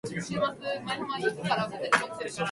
学校の帰り道で猫を拾った。